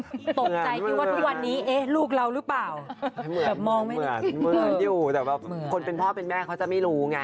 ตกใจดิวว่าทุกวันนี้เอ๊ะลูกเรารึเปล่าเหมือนอยู่แต่ว่าคนเป็นพ่อเป็นแม่เขาจะไม่รู้ไง